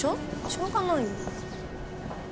しょうがないよ。